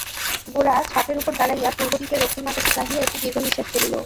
গোরা ছাতের উপর দাঁড়াইয়া পূর্ব দিকের রক্তিম আকাশে চাহিয়া একটি দীর্ঘ-নিশ্বাস ফেলিল।